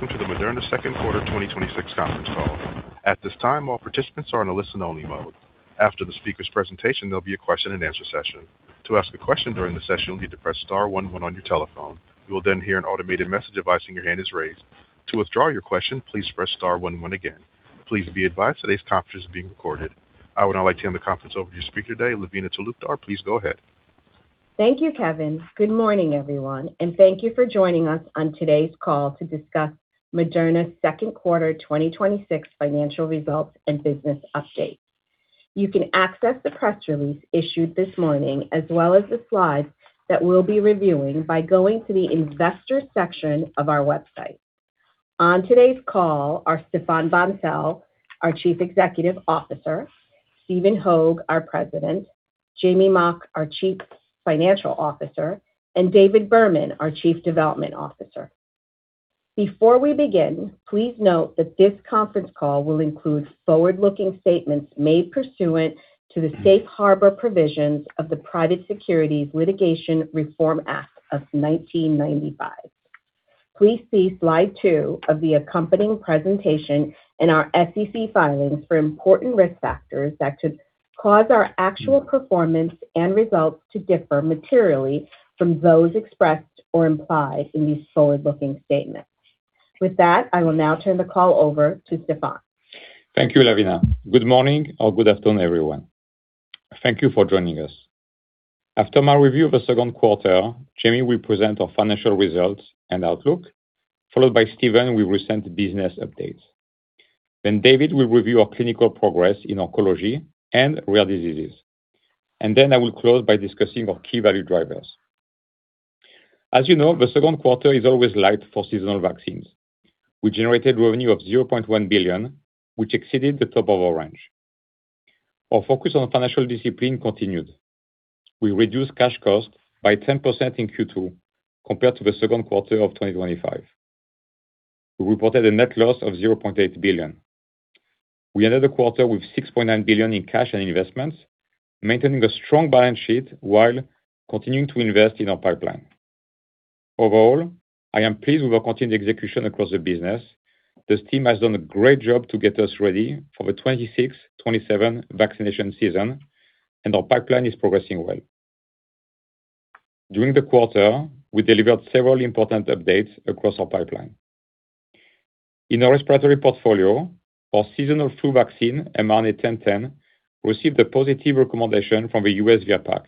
Welcome to the Moderna second quarter 2026 conference call. At this time, all participants are in a listen-only mode. After the speaker's presentation, there will be a question-and-answer session. To ask a question during the session, you will need to press star one one on your telephone. You will then hear an automated message advising your hand is raised. To withdraw your question, please press star one one again. Please be advised today's conference is being recorded. I would now like to hand the conference over to your speaker today, Lavina Talukdar. Please go ahead. Thank you, Kevin. Good morning, everyone, and thank you for joining us on today's call to discuss Moderna's second quarter 2026 financial results and business update. You can access the press release issued this morning, as well as the slides that we will be reviewing by going to the investors section of our website. On today's call are Stéphane Bancel, our Chief Executive Officer, Stephen Hoge, our President, Jamey Mock, our Chief Financial Officer, and David Berman, our Chief Development Officer. Before we begin, please note that this conference call will include forward-looking statements made pursuant to the safe harbor provisions of the Private Securities Litigation Reform Act of 1995. Please see Slide 2 of the accompanying presentation in our SEC filings for important risk factors that could cause our actual performance and results to differ materially from those expressed or implied in these forward-looking statements. With that, I will now turn the call over to Stéphane. Thank you, Lavina. Good morning or good afternoon, everyone. Thank you for joining us. After my review of the second quarter, Jamey will present our financial results and outlook, followed by Stephen with recent business updates. David will review our clinical progress in oncology and rare diseases. Then I will close by discussing our key value drivers. As you know, the second quarter is always light for seasonal vaccines. We generated revenue of $0.1 billion, which exceeded the top of our range. Our focus on financial discipline continued. We reduced cash cost by 10% in Q2 compared to the second quarter of 2025. We reported a net loss of $0.8 billion. We ended the quarter with $6.9 billion in cash and investments, maintaining a strong balance sheet while continuing to invest in our pipeline. Overall, I am pleased with our continued execution across the business. This team has done a great job to get us ready for the 2026, 2027 vaccination season, and our pipeline is progressing well. During the quarter, we delivered several important updates across our pipeline. In our respiratory portfolio, our seasonal flu vaccine, mRNA-1010, received a positive recommendation from the U.S. VRBPAC.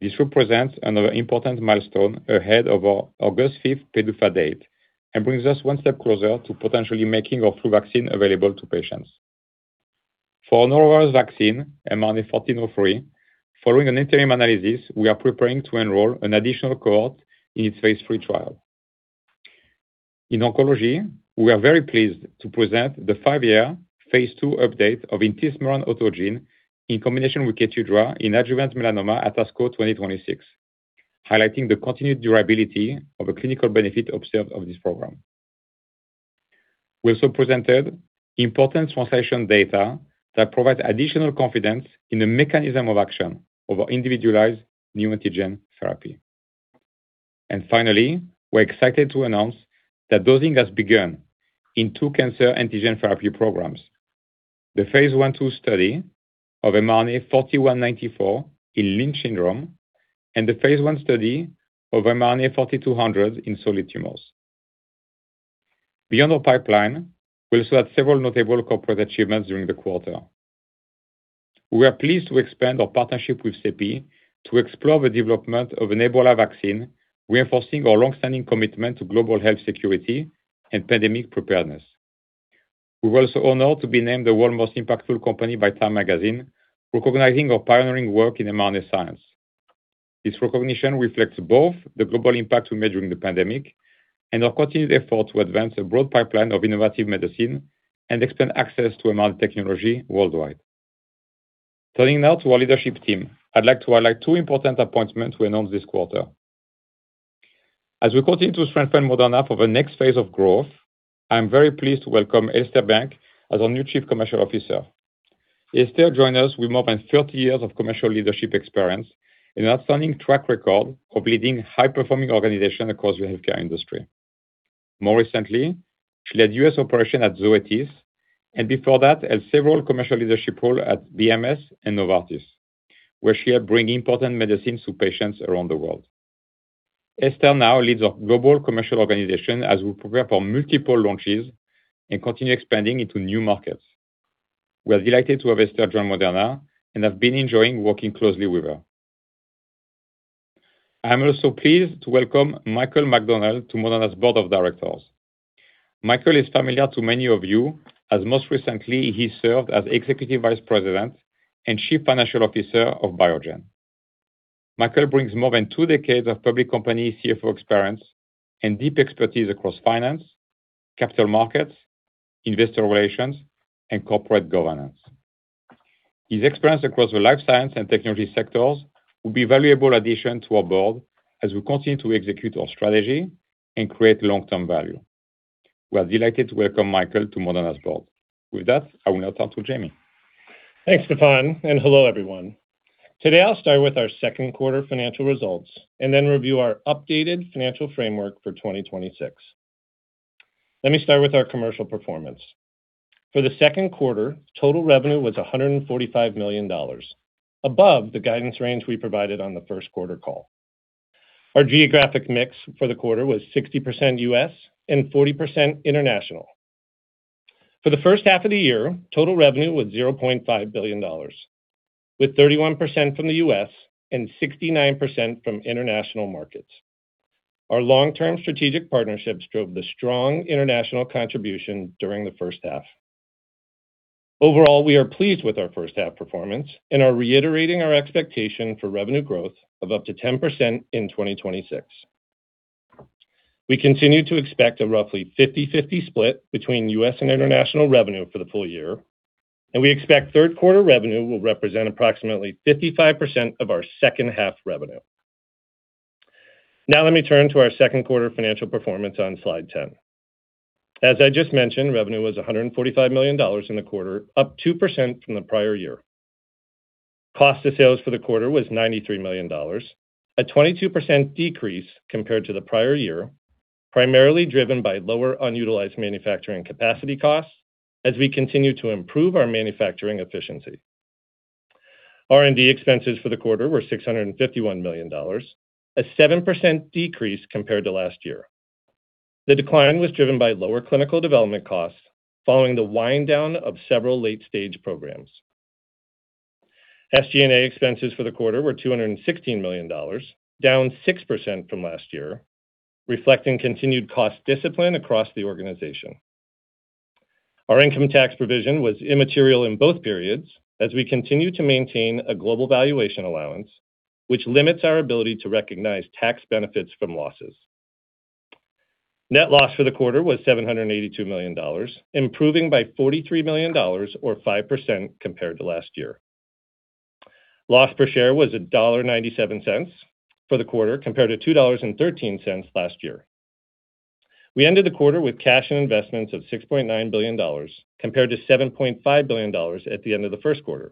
This represents another important milestone ahead of our August 5th PDUFA date and brings us one step closer to potentially making our flu vaccine available to patients. For our norovirus vaccine, mRNA-1403, following an interim analysis, we are preparing to enroll an additional cohort in its phase III trial. In oncology, we are very pleased to present the five-year phase II update of intismeran autogene in combination with KEYTRUDA in adjuvant melanoma at ASCO 2026, highlighting the continued durability of the clinical benefit observed of this program. We also presented important translation data that provides additional confidence in the mechanism of action of our individualized neoantigen therapy. Finally, we're excited to announce that dosing has begun in two cancer antigen therapy programs, the phase I/II study of mRNA-4194 in Lynch syndrome and the phase I study of mRNA-4200 in solid tumors. Beyond our pipeline, we also had several notable corporate achievements during the quarter. We are pleased to expand our partnership with CEPI to explore the development of an Ebola vaccine, reinforcing our longstanding commitment to global health security and pandemic preparedness. We're also honored to be named the world's most impactful company by "Time" magazine, recognizing our pioneering work in mRNA science. This recognition reflects both the global impact we made during the pandemic and our continued effort to advance a broad pipeline of innovative medicine and expand access to mRNA technology worldwide. Turning now to our leadership team, I'd like to highlight two important appointments we announced this quarter. As we continue to strengthen Moderna for the next phase of growth, I'm very pleased to welcome Ester Banque as our new Chief Commercial Officer. Ester joins us with more than 30 years of commercial leadership experience and an outstanding track record of leading high-performing organizations across the healthcare industry. More recently, she led U.S. operation at Zoetis, and before that, held several commercial leadership roles at BMS and Novartis, where she helped bring important medicines to patients around the world. Ester now leads our global commercial organization as we prepare for multiple launches and continue expanding into new markets. We are delighted to have Ester join Moderna and have been enjoying working closely with her. I am also pleased to welcome Michael McDonnell to Moderna's board of directors. Michael is familiar to many of you, as most recently, he served Executive Vice President and Chief Financial Officer of Biogen. Michael brings more than two decades of public company CFO experience and deep expertise across finance, capital markets, investor relations, and corporate governance. His experience across the life science and technology sectors will be a valuable addition to our board as we continue to execute our strategy and create long-term value. We are delighted to welcome Michael to Moderna's board. With that, I will now turn to Jamey. Thanks, Stéphane, Hello everyone. Today, I'll start with our second quarter financial results and then review our updated financial framework for 2026. Let me start with our commercial performance. For the second quarter, total revenue was $145 million, above the guidance range we provided on the first quarter call. Our geographic mix for the quarter was 60% U.S. and 40% international. For the first half of the year, total revenue was $0.5 billion, with 31% from the U.S. and 69% from international markets. Our long-term strategic partnerships drove the strong international contribution during the first half. Overall, we are pleased with our first half performance and are reiterating our expectation for revenue growth of up to 10% in 2026. We continue to expect a roughly 50/50 split between U.S. and international revenue for the full year, and we expect third quarter revenue will represent approximately 55% of our second half revenue. Now let me turn to our second quarter financial performance on Slide 10. As I just mentioned, revenue was $145 million in the quarter, up 2% from the prior year. Cost of sales for the quarter was $93 million, a 22% decrease compared to the prior year, primarily driven by lower unutilized manufacturing capacity costs as we continue to improve our manufacturing efficiency. R&D expenses for the quarter were $651 million, a 7% decrease compared to last year. The decline was driven by lower clinical development costs following the wind down of several late-stage programs. SG&A expenses for the quarter were $216 million, down 6% from last year, reflecting continued cost discipline across the organization. Our income tax provision was immaterial in both periods as we continue to maintain a global valuation allowance, which limits our ability to recognize tax benefits from losses. Net loss for the quarter was $782 million, improving by $43 million or 5% compared to last year. Loss per share was $1.97 for the quarter compared to $2.13 last year. We ended the quarter with cash and investments of $6.9 billion compared to $7.5 billion at the end of the first quarter.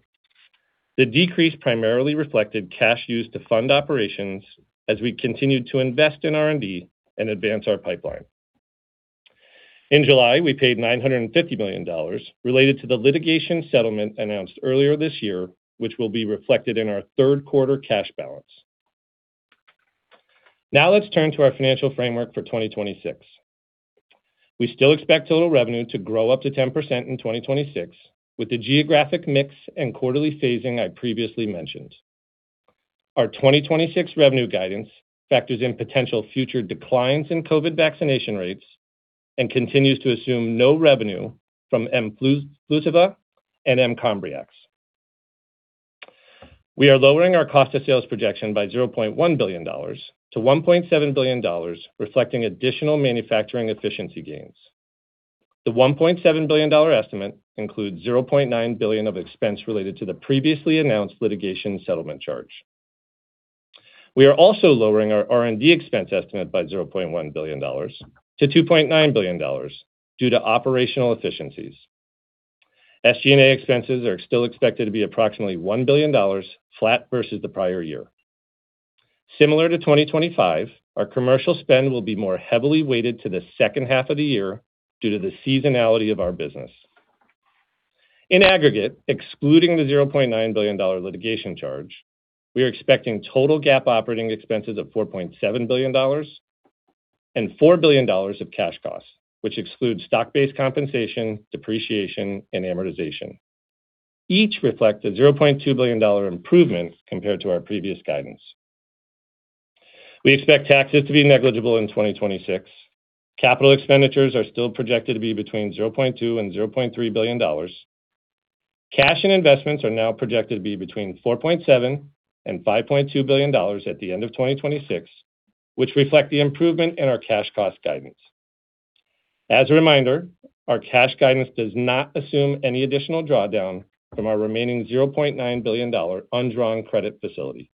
The decrease primarily reflected cash used to fund operations as we continued to invest in R&D and advance our pipeline. In July, we paid $950 million related to the litigation settlement announced earlier this year, which will be reflected in our third quarter cash balance. Now let's turn to our financial framework for 2026. We still expect total revenue to grow up to 10% in 2026 with the geographic mix and quarterly phasing I previously mentioned. Our 2026 revenue guidance factors in potential future declines in COVID vaccination rates and continues to assume no revenue from mFLUSIVA and mCOMBRIAX. We are lowering our cost of sales projection by $0.1 billion to $1.7 billion, reflecting additional manufacturing efficiency gains. The $1.7 billion estimate includes $0.9 billion of expense related to the previously announced litigation settlement charge. We are also lowering our R&D expense estimate by $0.1 billion to $2.9 billion due to operational efficiencies. SG&A expenses are still expected to be approximately $1 billion flat versus the prior year. Similar to 2025, our commercial spend will be more heavily weighted to the second half of the year due to the seasonality of our business. In aggregate, excluding the $0.9 billion litigation charge, we are expecting total GAAP operating expenses of $4.7 billion and $4 billion of cash costs, which excludes stock-based compensation, depreciation, and amortization. Each reflect a $0.2 billion improvement compared to our previous guidance. We expect taxes to be negligible in 2026. Capital expenditures are still projected to be between $0.2 billion-$0.3 billion. Cash and investments are now projected to be between $4.7 billion-$5.2 billion at the end of 2026, which reflect the improvement in our cash cost guidance. As a reminder, our cash guidance does not assume any additional drawdown from our remaining $0.9 billion undrawn credit facility.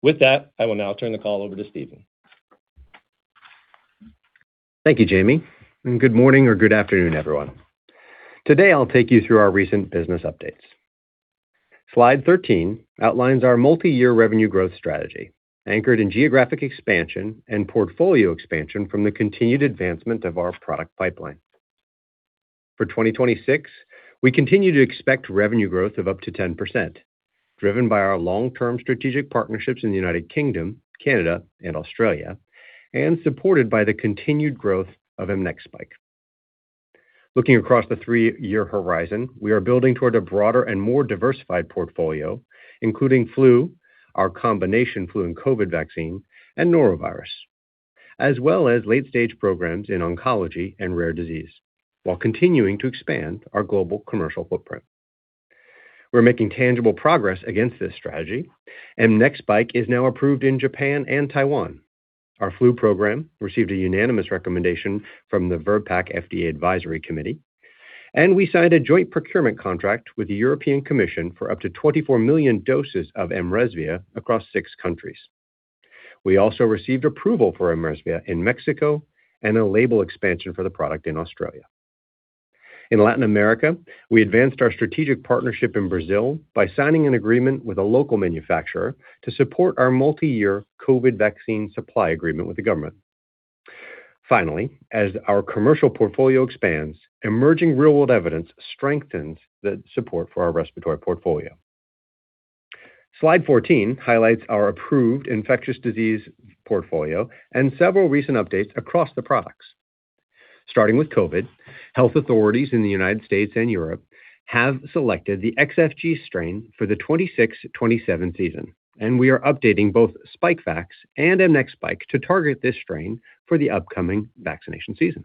With that, I will now turn the call over to Stephen. Thank you, Jamey, good morning or good afternoon, everyone. Today, I'll take you through our recent business updates. Slide 13 outlines our multi-year revenue growth strategy, anchored in geographic expansion and portfolio expansion from the continued advancement of our product pipeline. For 2026, we continue to expect revenue growth of up to 10%, driven by our long-term strategic partnerships in the U.K., Canada, and Australia, supported by the continued growth of mNEXSPIKE. Looking across the three-year horizon, we are building toward a broader and more diversified portfolio, including flu, our combination flu and COVID vaccine, and norovirus, as well as late-stage programs in oncology and rare disease while continuing to expand our global commercial footprint. We're making tangible progress against this strategy, mNEXSPIKE is now approved in Japan and Taiwan. Our flu program received a unanimous recommendation from the VRBPAC FDA Advisory Committee. We signed a joint procurement contract with the European Commission for up to 24 million doses of mRESVIA across six countries. We also received approval for mRESVIA in Mexico and a label expansion for the product in Australia. In Latin America, we advanced our strategic partnership in Brazil by signing an agreement with a local manufacturer to support our multi-year COVID vaccine supply agreement with the government. As our commercial portfolio expands, emerging real-world evidence strengthens the support for our respiratory portfolio. Slide 14 highlights our approved infectious disease portfolio and several recent updates across the products. Starting with COVID, health authorities in the U.S. and Europe have selected the XBB strain for the 2026-2027 season. We are updating both SPIKEVAX and mNEXSPIKE to target this strain for the upcoming vaccination season.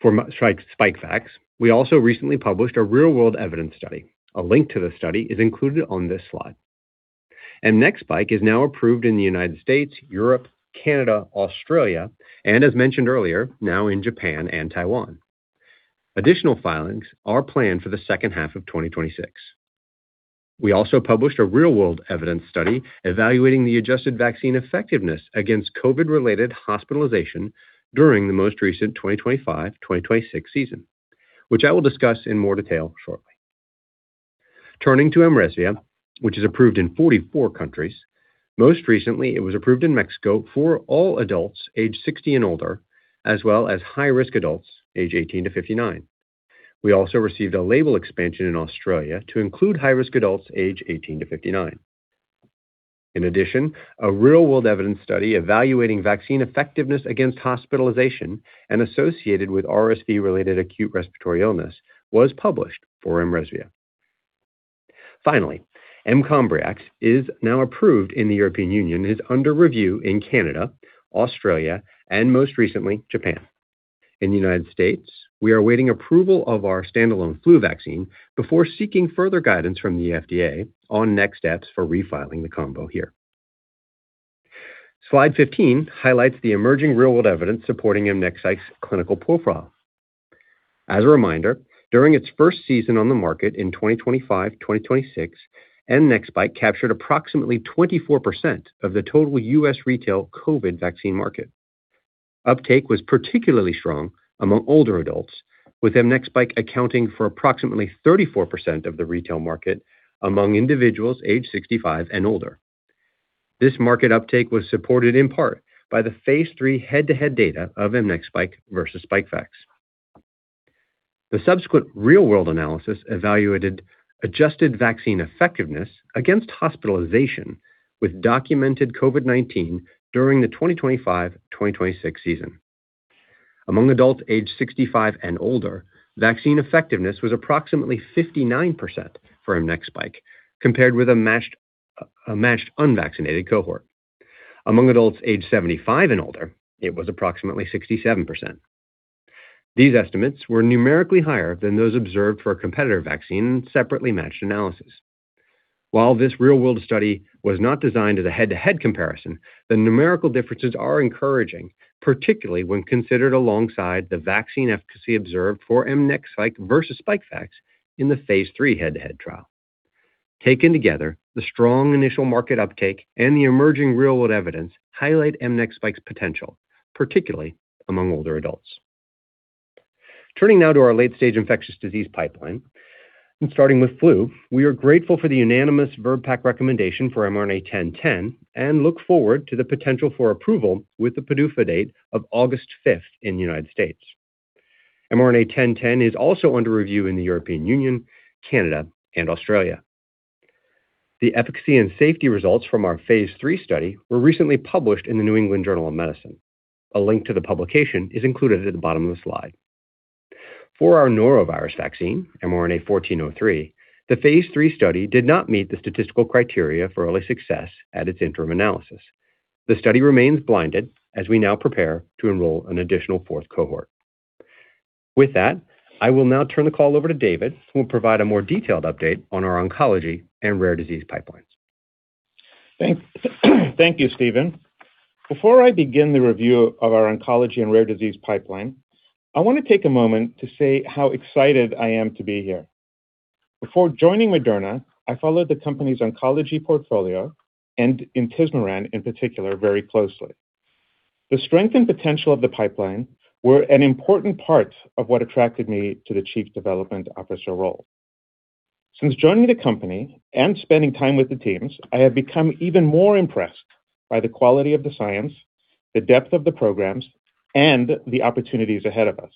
For SPIKEVAX, we also recently published a real-world evidence study. A link to the study is included on this slide. mNEXSPIKE is now approved in the U.S., Europe, Canada, Australia, as mentioned earlier, now in Japan and Taiwan. Additional filings are planned for the second half of 2026. We also published a real-world evidence study evaluating the adjusted vaccine effectiveness against COVID-related hospitalization during the most recent 2025-2026 season, which I will discuss in more detail shortly. Turning to mRESVIA, which is approved in 44 countries, most recently, it was approved in Mexico for all adults aged 60 and older, as well as high-risk adults aged 18-59. We also received a label expansion in Australia to include high-risk adults aged 18-59. In addition, a real-world evidence study evaluating vaccine effectiveness against hospitalization and associated with RSV-related acute respiratory illness was published for mRESVIA. Finally, mCOMBRIAX is now approved in the European Union and is under review in Canada, Australia, and most recently, Japan. In the U.S., we are awaiting approval of our standalone flu vaccine before seeking further guidance from the FDA on next steps for refiling the combo here. Slide 15 highlights the emerging real-world evidence supporting mNEXSPIKE's clinical profile. As a reminder, during its first season on the market in 2025-2026, mNEXSPIKE captured approximately 24% of the total U.S. retail COVID vaccine market. Uptake was particularly strong among older adults, with mNEXSPIKE accounting for approximately 34% of the retail market among individuals aged 65 and older. This market uptake was supported in part by the phase III head-to-head data of mNEXSPIKE versus SPIKEVAX. The subsequent real-world analysis evaluated adjusted vaccine effectiveness against hospitalization with documented COVID-19 during the 2025-2026 season. Among adults aged 65 and older, vaccine effectiveness was approximately 59% for mNEXSPIKE compared with a matched unvaccinated cohort. Among adults aged 75 and older, it was approximately 67%. These estimates were numerically higher than those observed for a competitor vaccine in separately matched analysis. While this real-world study was not designed as a head-to-head comparison, the numerical differences are encouraging, particularly when considered alongside the vaccine efficacy observed for mNEXSPIKE versus SPIKEVAX in the phase III head-to-head trial. Taken together, the strong initial market uptake and the emerging real-world evidence highlight mNEXSPIKE's potential, particularly among older adults. Turning now to our late-stage infectious disease pipeline, and starting with flu, we are grateful for the unanimous VRBPAC recommendation for mRNA-1010 and look forward to the potential for approval with the PDUFA date of August 5th in the U.S. mRNA-1010 is also under review in the European Union, Canada, and Australia. The efficacy and safety results from our phase III study were recently published in The New England Journal of Medicine. A link to the publication is included at the bottom of the slide. For our norovirus vaccine, mRNA-1403, the phase III study did not meet the statistical criteria for early success at its interim analysis. The study remains blinded as we now prepare to enroll an additional fourth cohort. With that, I will now turn the call over to David, who will provide a more detailed update on our oncology and rare disease pipelines. Thank you, Stephen. Before I begin the review of our oncology and rare disease pipeline, I want to take a moment to say how excited I am to be here. Before joining Moderna, I followed the company's oncology portfolio and intismeran in particular very closely. The strength and potential of the pipeline were an important part of what attracted me to the Chief Development Officer role. Since joining the company and spending time with the teams, I have become even more impressed by the quality of the science, the depth of the programs, and the opportunities ahead of us.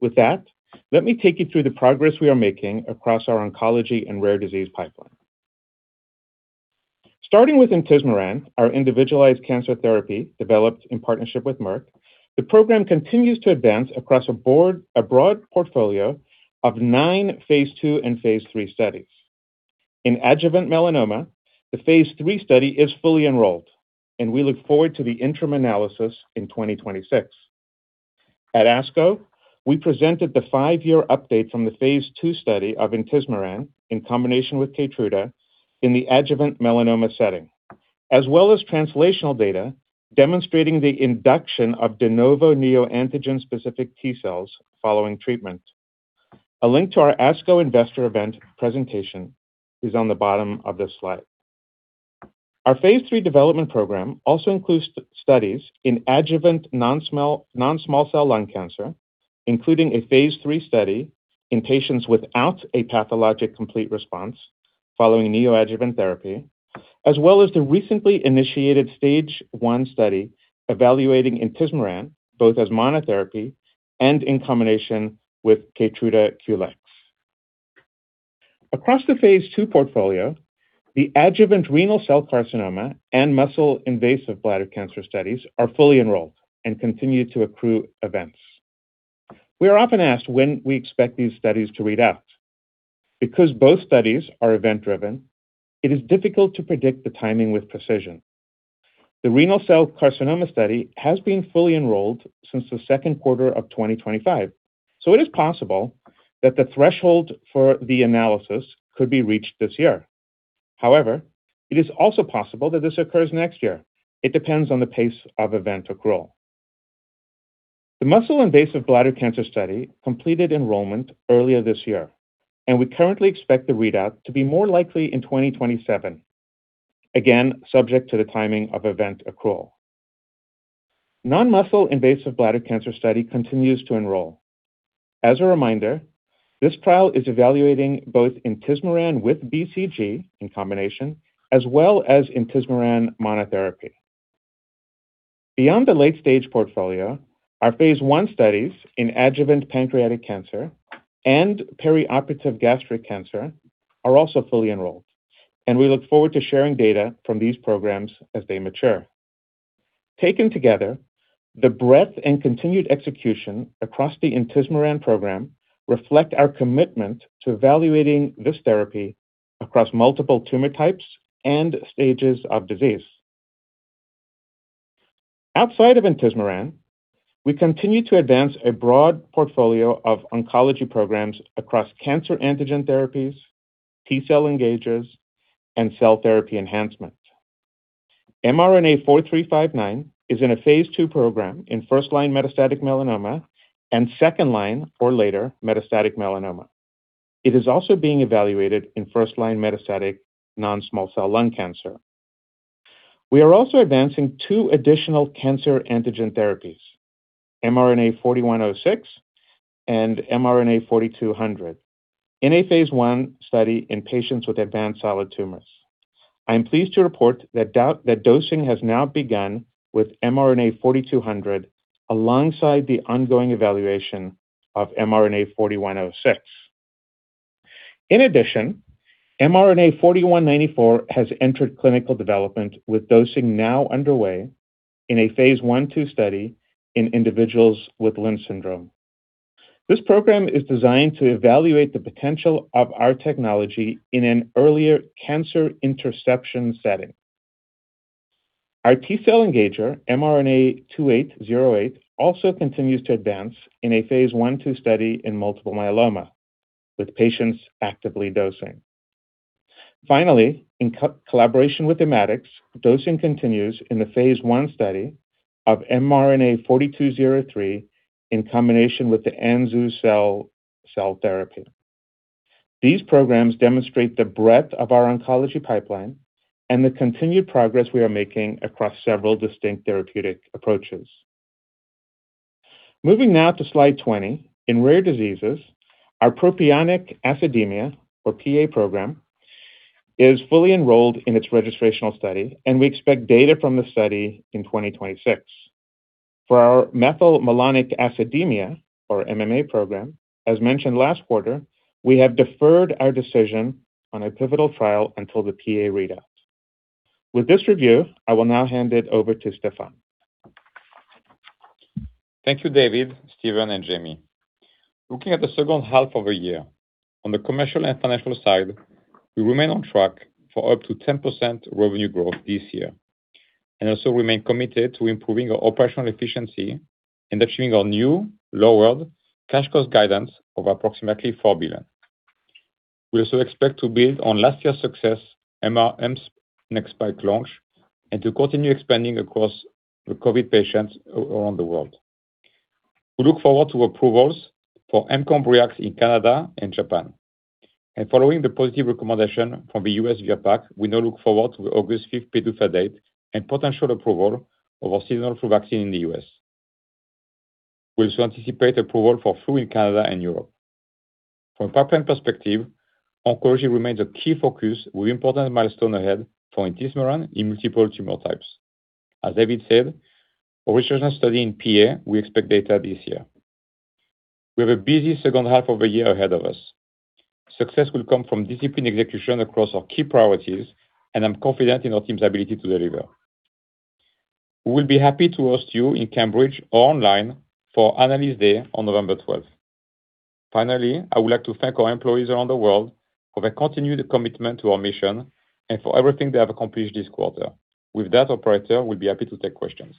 With that, let me take you through the progress we are making across our oncology and rare disease pipeline. Starting with intismeran, our individualized cancer therapy developed in partnership with Merck, the program continues to advance across a broad portfolio of nine phase II and phase III studies. In adjuvant melanoma, the phase III study is fully enrolled, and we look forward to the interim analysis in 2026. At ASCO, we presented the five-year update from the phase II study of intismeran in combination with KEYTRUDA in the adjuvant melanoma setting, as well as translational data demonstrating the induction of de novo neoantigen-specific T cells following treatment. A link to our ASCO investor event presentation is on the bottom of this slide. Our phase III development program also includes studies in adjuvant non-small cell lung cancer, including a phase III study in patients without a pathologic complete response following neoadjuvant therapy, as well as the recently initiated stage 1 study evaluating intismeran both as monotherapy and in combination with KEYTRUDA QLEX. Across the phase II portfolio, the adjuvant renal cell carcinoma and muscle-invasive bladder cancer studies are fully enrolled and continue to accrue events. We are often asked when we expect these studies to read out. Because both studies are event-driven, it is difficult to predict the timing with precision. The renal cell carcinoma study has been fully enrolled since the second quarter of 2025, so it is possible that the threshold for the analysis could be reached this year. However, it is also possible that this occurs next year. It depends on the pace of event accrual. The muscle-invasive bladder cancer study completed enrollment earlier this year, and we currently expect the readout to be more likely in 2027, again, subject to the timing of event accrual. Non-muscle invasive bladder cancer study continues to enroll. As a reminder, this trial is evaluating both intismeran with BCG in combination, as well as intismeran monotherapy. Beyond the late-stage portfolio, our phase I studies in adjuvant pancreatic cancer and perioperative gastric cancer are also fully enrolled, and we look forward to sharing data from these programs as they mature. Taken together, the breadth and continued execution across the intismeran program reflect our commitment to evaluating this therapy across multiple tumor types and stages of disease. Outside of intismeran, we continue to advance a broad portfolio of oncology programs across cancer antigen therapies, T-cell engagers, and cell therapy enhancement. mRNA-4359 is in a phase II program in first-line metastatic melanoma and second-line or later metastatic melanoma. It is also being evaluated in first-line metastatic non-small cell lung cancer. We are also advancing two additional cancer antigen therapies, mRNA-4106 and mRNA-4200, in a phase I study in patients with advanced solid tumors. I'm pleased to report that dosing has now begun with mRNA-4200 alongside the ongoing evaluation of mRNA-4106. mRNA-4194 has entered clinical development, with dosing now underway in a phase I-II study in individuals with Lynch syndrome. This program is designed to evaluate the potential of our technology in an earlier cancer interception setting. Our T-cell engager, mRNA-2808, also continues to advance in a phase I-II study in multiple myeloma, with patients actively dosing. Finally, in collaboration with Immatics, dosing continues in the phase I study of mRNA-4203 in combination with the anzu-cel cell therapy. These programs demonstrate the breadth of our oncology pipeline and the continued progress we are making across several distinct therapeutic approaches. Moving now to Slide 20. In rare diseases, our propionic acidemia, or PA program, is fully enrolled in its registrational study, and we expect data from the study in 2026. For our methylmalonic acidemia, or MMA program, as mentioned last quarter, we have deferred our decision on a pivotal trial until the PA readout. With this review, I will now hand it over to Stéphane. Thank you, David, Stephen, and Jamey. Looking at the second half of the year, on the commercial and financial side, we remain on track for up to 10% revenue growth this year and also remain committed to improving our operational efficiency and achieving our new lowered cash cost guidance of approximately $4 billion. We also expect to build on last year's success, mNEXSPIKE launch, and to continue expanding across the COVID patients around the world. We look forward to approvals for mCOMBRIAX in Canada and Japan. Following the positive recommendation from the U.S. VRBPAC, we now look forward to the August 5th PDUFA date and potential approval of our seasonal flu vaccine in the U.S. We also anticipate approval for flu in Canada and Europe. From a pipeline perspective, oncology remains a key focus with important milestone ahead for intismeran in multiple tumor types. As David said, our registrational study in PA, we expect data this year. We have a busy second half of the year ahead of us. Success will come from disciplined execution across our key priorities, and I'm confident in our team's ability to deliver. We will be happy to host you in Cambridge or online for Analyst Day on November 12th. Finally, I would like to thank our employees around the world for their continued commitment to our mission and for everything they have accomplished this quarter. With that, operator, we'll be happy to take questions.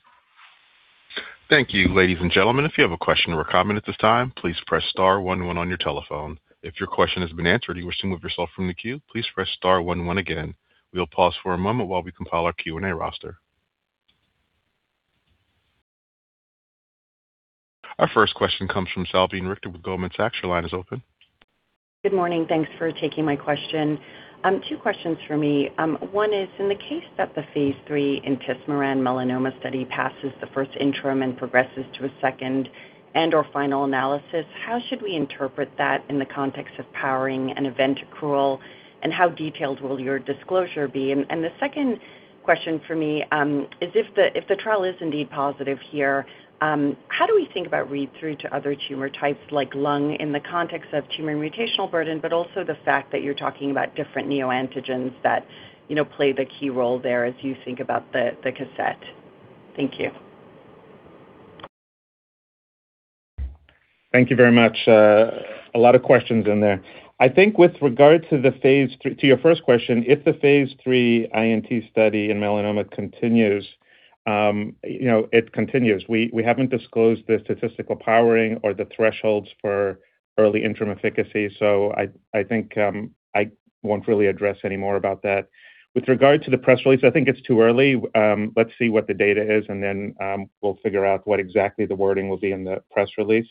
Thank you, ladies and gentlemen. If you have a question or comment at this time, please press star one one on your telephone. If your question has been answered and you wish to remove yourself from the queue, please press star one one again. We'll pause for a moment while we compile our Q&A roster. Our first question comes from Salveen Richter with Goldman Sachs. Your line is open. Good morning. Thanks for taking my question. Two questions for me. One is, in the case that the phase III intismeran melanoma study passes the first interim and progresses to a second and/or final analysis, how should we interpret that in the context of powering an event accrual, and how detailed will your disclosure be? The second question for me is if the trial is indeed positive here, how do we think about read-through to other tumor types like lung in the context of tumor mutational burden, but also the fact that you're talking about different neoantigens that play the key role there as you think about the cassette? Thank you. Thank you very much. A lot of questions in there. I think with regard to your first question, if the phase III INT study in melanoma continues, it continues. We haven't disclosed the statistical powering or the thresholds for early interim efficacy so, I think I won't really address any more about that. With regard to the press release, I think it's too early. Let's see what the data is and then we'll figure out what exactly the wording will be in the press release.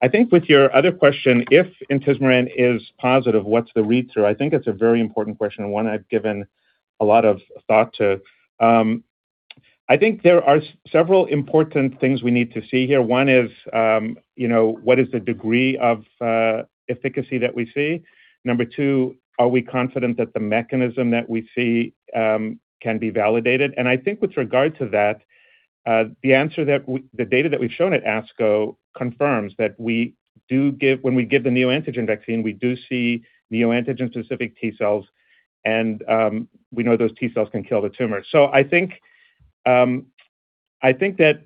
I think with your other question, if intismeran is positive, what's the read-through? I think it's a very important question and one I've given a lot of thought to. I think there are several important things we need to see here. One is, what is the degree of efficacy that we see? Number 2, are we confident that the mechanism that we see can be validated? I think with regard to that, the data that we've shown at ASCO confirms that when we give the neoantigen vaccine, we do see neoantigen-specific T cells, and we know those T cells can kill the tumor. I think that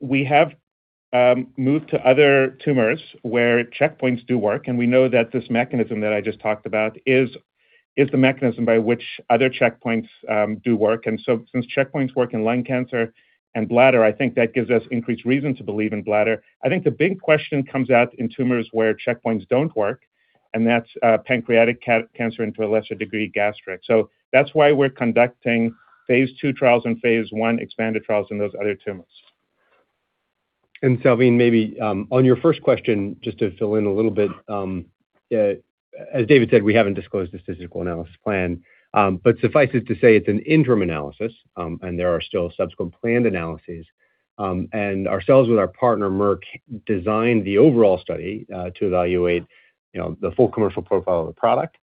we have moved to other tumors where checkpoints do work, and we know that this mechanism that I just talked about is the mechanism by which other checkpoints do work. Since checkpoints work in lung cancer and bladder, I think that gives us increased reason to believe in bladder. I think the big question comes out in tumors where checkpoints don't work, and that's pancreatic cancer and to a lesser degree, gastric. That's why we're conducting phase II trials and phase I expanded trials in those other tumors. Salveen, maybe on your first question, just to fill in a little bit, as David said, we haven't disclosed the statistical analysis plan. Suffice it to say, it's an interim analysis, and there are still subsequent planned analyses. Ourselves with our partner, Merck, designed the overall study to evaluate the full commercial profile of the product.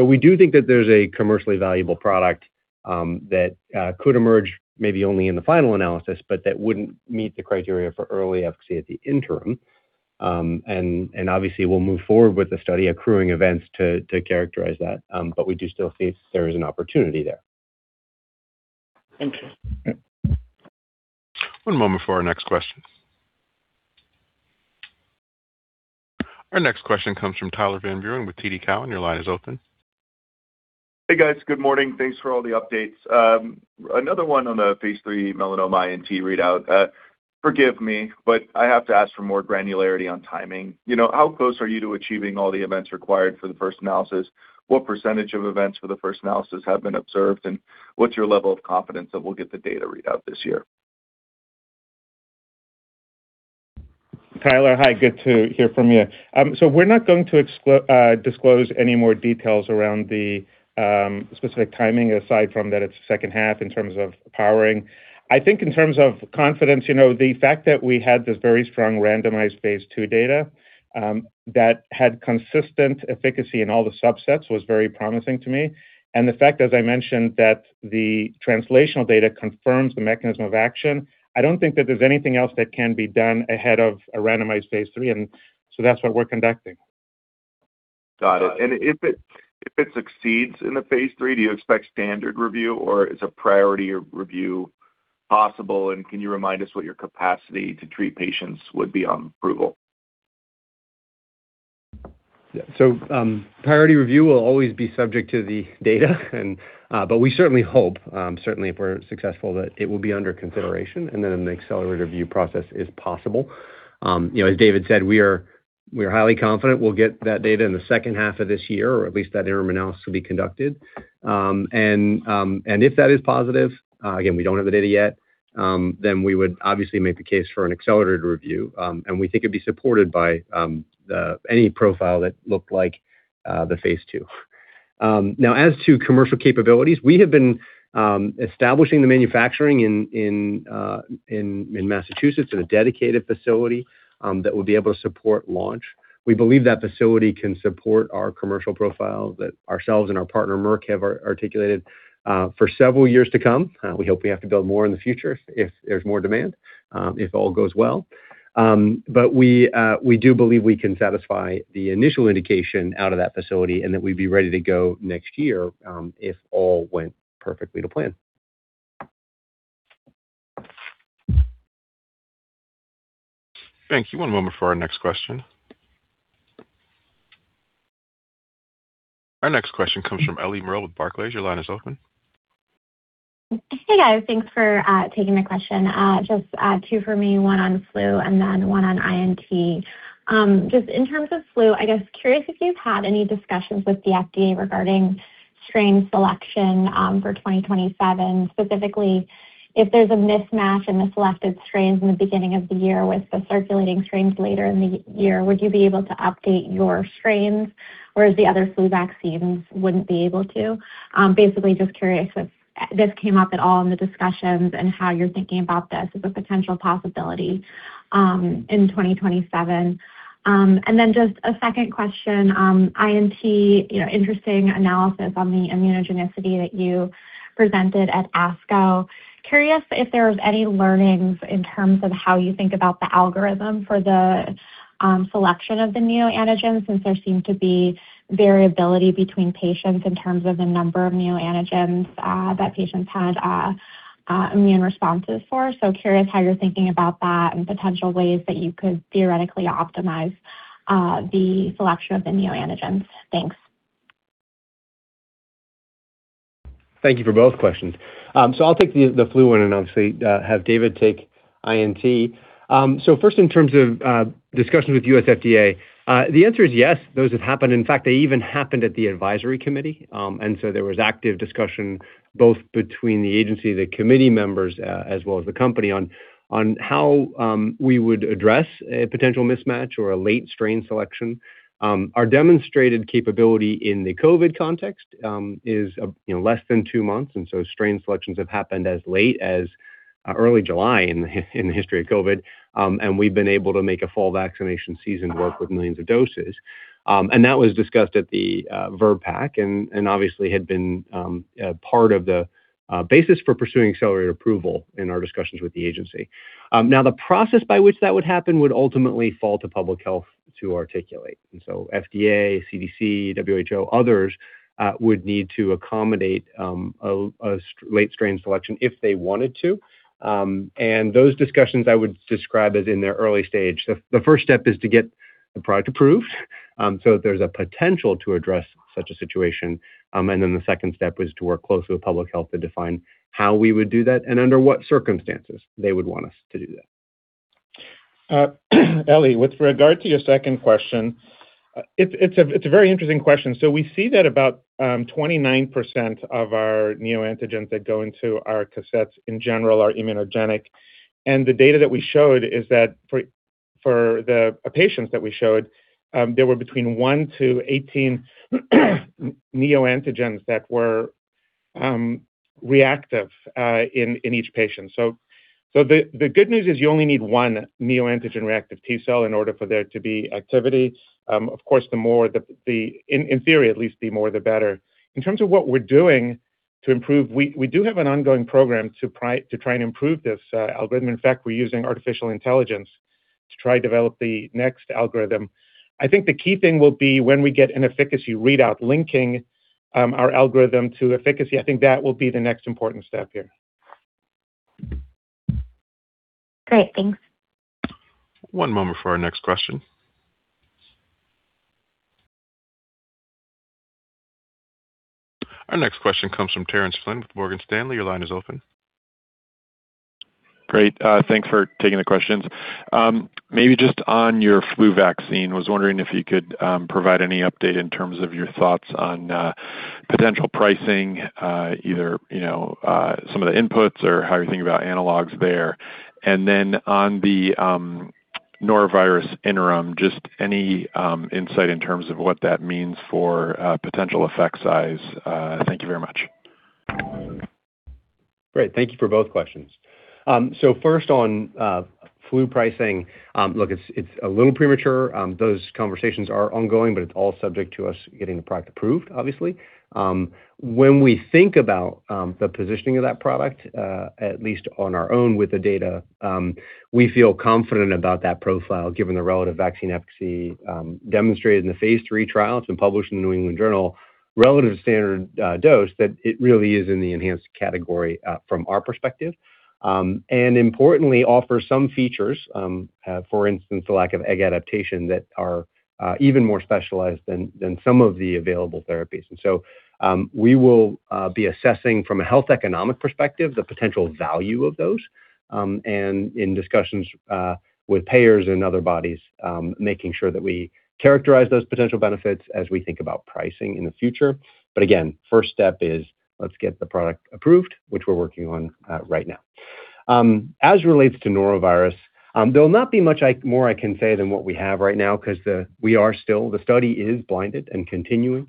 We do think that there's a commercially valuable product that could emerge, maybe only in the final analysis, but that wouldn't meet the criteria for early efficacy at the interim. Obviously, we'll move forward with the study accruing events to characterize that, but we do still see there is an opportunity there. Thank you. One moment for our next question. Our next question comes from Tyler Van Buren with TD Cowen. Your line is open. Hey, guys. Good morning. Thanks for all the updates. Another one on the phase III melanoma INT readout. Forgive me, but I have to ask for more granularity on timing. How close are you to achieving all the events required for the first analysis? What % of events for the first analysis have been observed, and what's your level of confidence that we'll get the data readout this year? Tyler, hi. Good to hear from you. We're not going to disclose any more details around the specific timing, aside from that it's the second half in terms of powering. I think in terms of confidence, the fact that we had this very strong randomized phase II data that had consistent efficacy in all the subsets was very promising to me. The fact, as I mentioned, that the translational data confirms the mechanism of action, I don't think that there's anything else that can be done ahead of a randomized phase III, and so that's what we're conducting. Got it. If it succeeds in the phase III, do you expect standard review, or is a priority of review possible? Can you remind us what your capacity to treat patients would be on approval? Priority review will always be subject to the data, but we certainly hope, certainly if we're successful, that it will be under consideration and an accelerated review process is possible. As David said, we are highly confident we'll get that data in the second half of this year, or at least that interim analysis will be conducted. If that is positive, again, we don't have the data yet, then we would obviously make the case for an accelerated review, and we think it'd be supported by any profile that looked like the phase II. As to commercial capabilities, we have been establishing the manufacturing in Massachusetts in a dedicated facility that will be able to support launch. We believe that facility can support our commercial profile that ourselves and our partner, Merck, have articulated for several years to come. We hope we have to build more in the future if there's more demand, if all goes well. We do believe we can satisfy the initial indication out of that facility and that we'd be ready to go next year if all went perfectly to plan. Thank you. One moment for our next question. Our next question comes from Ellie Merle with Barclays. Your line is open. Hey, guys. Thanks for taking the question. Just two for me, one on flu and then one on INT. Just in terms of flu, I guess curious if you've had any discussions with the FDA regarding strain selection for 2027, specifically if there's a mismatch in the selected strains in the beginning of the year with the circulating strains later in the year. Would you be able to update your strains, whereas the other flu vaccines wouldn't be able to? Basically just curious if this came up at all in the discussions and how you're thinking about this as a potential possibility in 2027. A second question. INT, interesting analysis on the immunogenicity that you presented at ASCO. Curious if there was any learnings in terms of how you think about the algorithm for the selection of the neoantigens, since there seemed to be variability between patients in terms of the number of neoantigens that patients had immune responses for. Curious how you're thinking about that and potential ways that you could theoretically optimize the selection of the neoantigens. Thanks. Thank you for both questions. I'll take the flu one, and obviously have David take INT. First, in terms of discussions with U.S. FDA, the answer is yes, those have happened. In fact, they even happened at the advisory committee. There was active discussion both between the agency, the committee members, as well as the company on how we would address a potential mismatch or a late strain selection. Our demonstrated capability in the COVID context is less than two months, strain selections have happened as late as early July in the history of COVID, and we've been able to make a fall vaccination season work with millions of doses. That was discussed at the VRBPAC and obviously had been part of the basis for pursuing accelerated approval in our discussions with the agency. Now, the process by which that would happen would ultimately fall to public health to articulate. FDA, CDC, WHO, others would need to accommodate a late strain selection if they wanted to. Those discussions I would describe as in their early stage. The first step is to get the product approved so that there's a potential to address such a situation. The second step is to work closely with public health to define how we would do that and under what circumstances they would want us to do that. Ellie, with regard to your second question, it's a very interesting question. We see that about 29% of our neoantigens that go into our cassettes in general are immunogenic. The data that we showed is that for the patients that we showed, there were between one to 18 neoantigens that were reactive in each patient. The good news is you only need one neoantigen-reactive T-cell in order for there to be activity. Of course, in theory at least, the more the better. In terms of what we're doing to improve, we do have an ongoing program to try and improve this algorithm. In fact, we're using artificial intelligence to try to develop the next algorithm. I think the key thing will be when we get an efficacy readout linking our algorithm to efficacy. I think that will be the next important step here. Great. Thanks. One moment for our next question. Our next question comes from Terence Flynn with Morgan Stanley. Your line is open. Great. Thanks for taking the questions. Maybe just on your flu vaccine, was wondering if you could provide any update in terms of your thoughts on potential pricing, either some of the inputs or how you're thinking about analogs there. Then on the norovirus interim, just any insight in terms of what that means for potential effect size. Thank you very much. Great. Thank you for both questions. First on flu pricing. Look, it's a little premature. Those conversations are ongoing, but it's all subject to us getting the product approved, obviously. When we think about the positioning of that product, at least on our own with the data, we feel confident about that profile given the relative vaccine efficacy demonstrated in the phase III trial. It's been published in The New England Journal of Medicine, relative standard dose, that it really is in the enhanced category from our perspective. Importantly, offers some features, for instance, the lack of egg adaptation, that are even more specialized than some of the available therapies. We will be assessing from a health economic perspective the potential value of those, and in discussions with payers and other bodies making sure that we characterize those potential benefits as we think about pricing in the future. Again, first step is let's get the product approved, which we're working on right now. As relates to norovirus, there will not be much more I can say than what we have right now, because the study is blinded and continuing.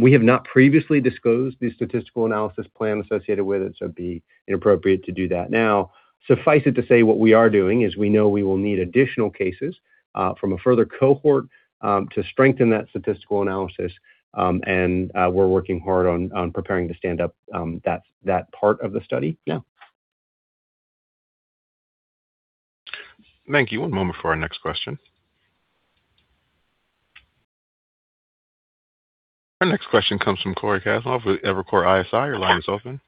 We have not previously disclosed the statistical analysis plan associated with it, so it'd be inappropriate to do that now. Suffice it to say, what we are doing is we know we will need additional cases from a further cohort to strengthen that statistical analysis, and we're working hard on preparing to stand up that part of the study now. Thank you. One moment for our next question. Our next question comes from Cory Kasimov with Evercore ISI. Your line is open.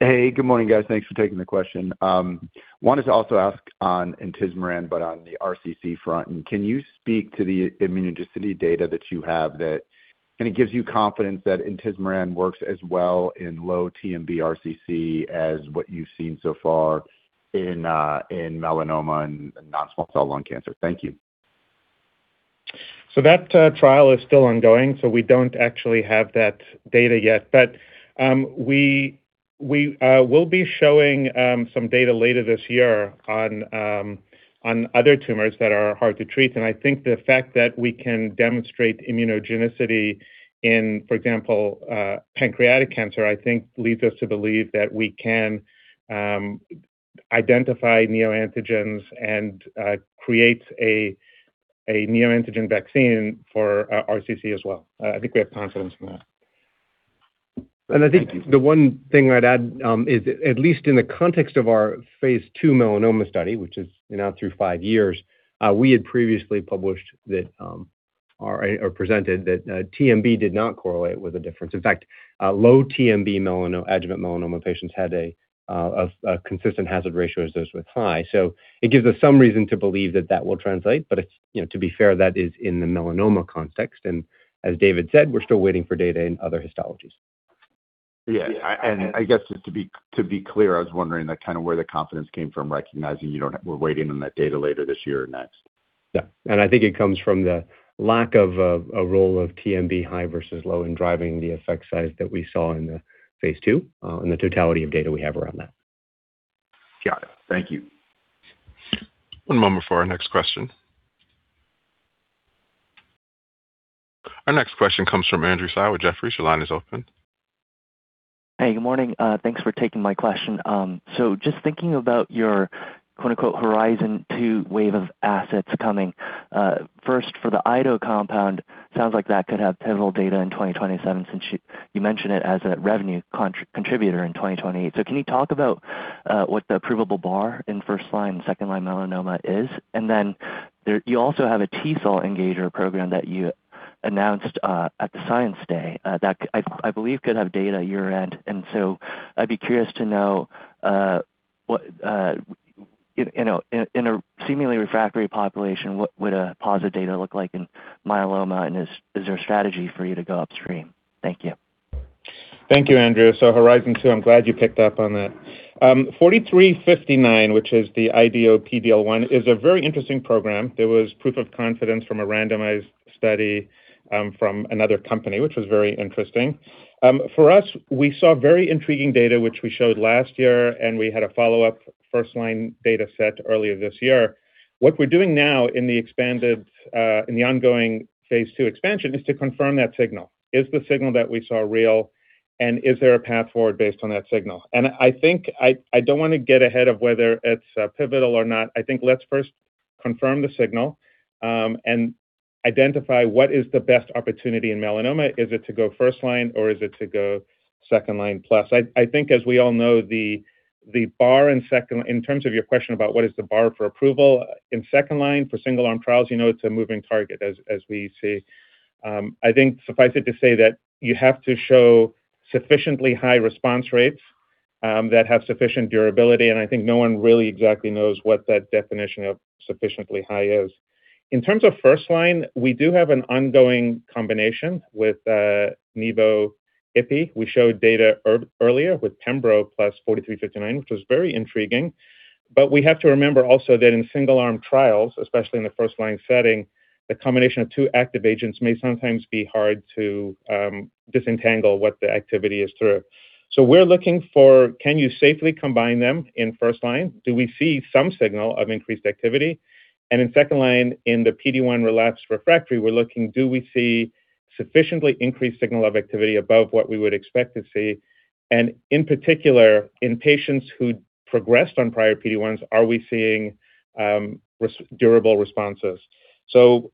Hey, good morning, guys. Thanks for taking the question. Wanted to also ask on intismeran, but on the RCC front. Can you speak to the immunogenicity data that you have, and it gives you confidence that intismeran works as well in low TMB RCC as what you've seen so far in melanoma and Non-Small Cell Lung Cancer? Thank you. That trial is still ongoing, so we don't actually have that data yet. We will be showing some data later this year on other tumors that are hard to treat. I think the fact that we can demonstrate immunogenicity in, for example, pancreatic cancer, I think leads us to believe that we can identify neoantigens and create a neoantigen vaccine for RCC as well. I think we have confidence in that. I think the one thing I'd add is, at least in the context of our phase II melanoma study, which is now through five years, we had previously published or presented that TMB did not correlate with a difference. In fact, low TMB adjuvant melanoma patients had a consistent hazard ratio as those with high. It gives us some reason to believe that that will translate. To be fair, that is in the melanoma context. As David said, we're still waiting for data in other histologist. Yeah. I guess just to be clear, I was wondering where the confidence came from, recognizing we're waiting on that data later this year or next. Yeah. I think it comes from the lack of a role of TMB high versus low in driving the effect size that we saw in the phase II, and the totality of data we have around that. Got it. Thank you. One moment for our next question. Our next question comes from Andrew Tsai with Jefferies. Your line is open. Hey, good morning. Thanks for taking my question. Just thinking about your, quote unquote, "Horizon 2 wave of assets coming." First, for the IDO compound, sounds like that could have pivotal data in 2027, since you mentioned it as a revenue contributor in 2028. Can you talk about what the approvable bar in first line and second-line melanoma is? Then, you also have a T-cell engager program that you announced at the Science Day, that I believe could have data year-end. I'd be curious to know, in a seemingly refractory population, what would a positive data look like in myeloma? Is there a strategy for you to go upstream? Thank you. Thank you, Andrew. Horizon 2, I'm glad you picked up on that. 4359, which is the IDO PD-1, is a very interesting program. There was proof of confidence from a randomized study from another company, which was very interesting. For us, we saw very intriguing data, which we showed last year, and we had a follow-up first line data set earlier this year. What we're doing now in the ongoing phase II expansion is to confirm that signal. Is the signal that we saw real, and is there a path forward based on that signal? I think I don't want to get ahead of whether it's pivotal or not. I think let's first confirm the signal, and identify what is the best opportunity in melanoma. Is it to go first line or is it to go second line plus? I think as we all know, in terms of your question about what is the bar for approval in second line for single-arm trials, it's a moving target as we see. I think suffice it to say that you have to show sufficiently high response rates that have sufficient durability, and I think no one really exactly knows what that definition of sufficiently high is. In terms of first line, we do have an ongoing combination with nivo/ipi. We showed data earlier with pembrolizumab plus mRNA-4359, which was very intriguing. We have to remember also that in single-arm trials, especially in the first line setting, the combination of two active agents may sometimes be hard to disentangle what the activity is through. We're looking for, can you safely combine them in first line? Do we see some signal of increased activity? In second line, in the PD-1 relapse refractory, we're looking, do we see sufficiently increased signal of activity above what we would expect to see? In particular, in patients who progressed on prior PD-1s, are we seeing durable responses?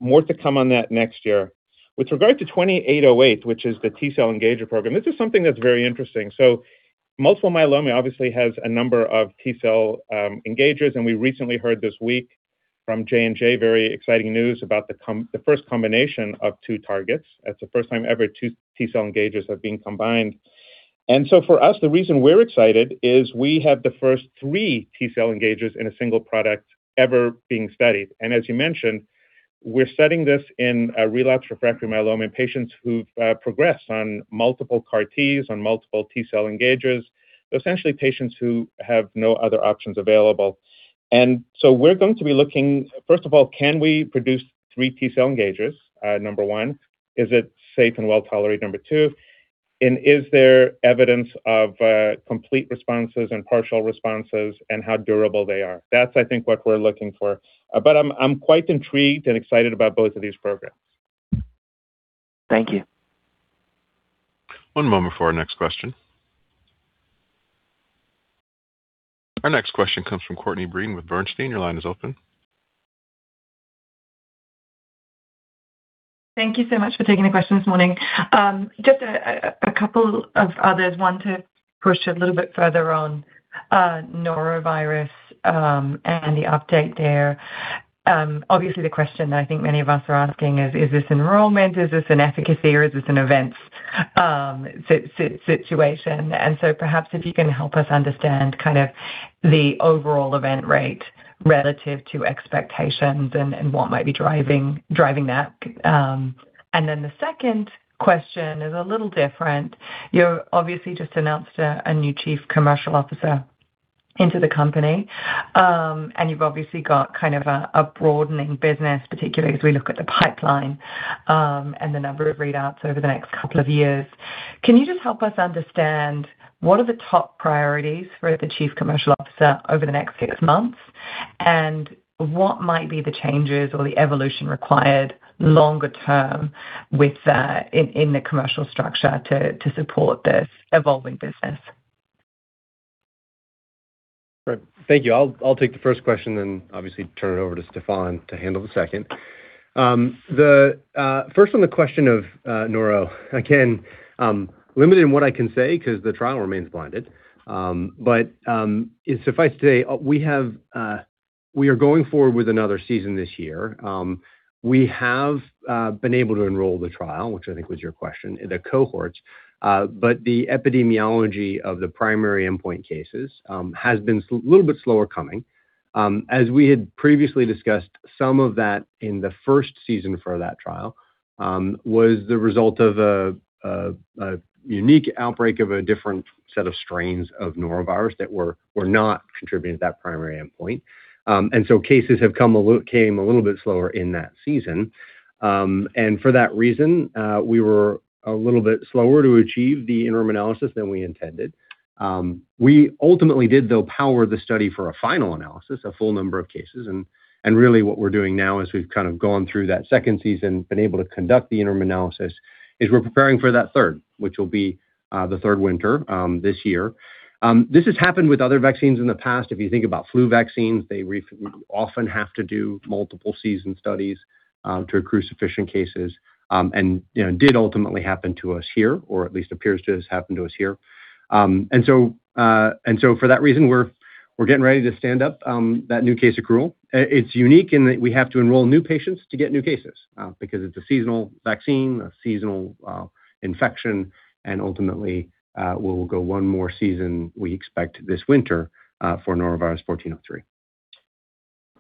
More to come on that next year. With regard to mRNA-2808, which is the T-cell engager program, this is something that's very interesting. Multiple myeloma obviously has a number of T-cell engagers, and we recently heard this week from J&J very exciting news about the first combination of two targets. That's the first time ever two T-cell engagers have been combined. For us, the reason we're excited is we have the first three T-cell engagers in a single product ever being studied. As you mentioned, we're studying this in relapsed refractory myeloma in patients who've progressed on multiple CAR Ts, on multiple T-cell engagers. Essentially, patients who have no other options available. We're going to be looking, first of all, can we produce three T-cell engagers? Number one. Is it safe and well-tolerated? Number two. Is there evidence of complete responses and partial responses, and how durable they are? That's, I think, what we're looking for. I'm quite intrigued and excited about both of these programs. Thank you. One moment for our next question. Our next question comes from Courtney Breen with Bernstein. Your line is open. Thank you so much for taking the question this morning. Just a couple of others. One, to push a little bit further on norovirus, and the update there. Obviously, the question that I think many of us are asking is this enrollment, is this an efficacy, or is this an events situation? Perhaps if you can help us understand the overall event rate relative to expectations and what might be driving that. The second question is a little different. You obviously just announced a new Chief Commercial Officer. Into the company. You've obviously got a broadening business, particularly as we look at the pipeline, and the number of readouts over the next couple of years. Can you just help us understand what are the top priorities for the Chief Commercial Officer over the next six months, and what might be the changes or the evolution required longer term in the commercial structure to support this evolving business? Right. Thank you. I'll take the first question and obviously turn it over to Stéphane to handle the second. First on the question of noro, again, limited in what I can say because the trial remains blinded. It suffices to say, we are going forward with another season this year. We have been able to enroll the trial, which I think was your question, the cohorts. The epidemiology of the primary endpoint cases has been a little bit slower coming. As we had previously discussed, some of that in the first season for that trial was the result of a unique outbreak of a different set of strains of norovirus that were not contributing to that primary endpoint. Cases came a little bit slower in that season. For that reason, we were a little bit slower to achieve the interim analysis than we intended. We ultimately did, though, power the study for a final analysis, a full number of cases. Really what we're doing now is we've kind of gone through that second season, been able to conduct the interim analysis, is we're preparing for that third, which will be the third winter this year. This has happened with other vaccines in the past. If you think about flu vaccines, they often have to do multiple season studies to accrue sufficient cases, and did ultimately happen to us here, or at least appears to have happened to us here. For that reason, we're getting ready to stand up that new case accrual. It's unique in that we have to enroll new patients to get new cases, because it's a seasonal vaccine, a seasonal infection, and ultimately, we will go one more season, we expect this winter, for norovirus 1403.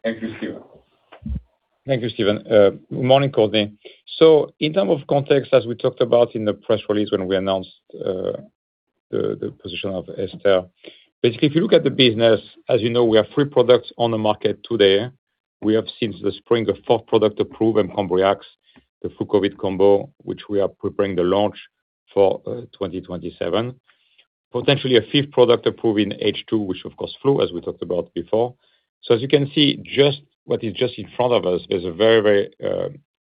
Thank you, Stephen. Morning, Courtney. In term of context, as we talked about in the press release when we announced the position of Ester. If you look at the business, as you know, we have three products on the market today. We have, since the spring, a fourth product approved in mCOMBRIAX, the Flu COVID combo, which we are preparing the launch for 2027. Potentially a fifth product approved in H2, which of course flu, as we talked about before. As you can see, what is just in front of us is a very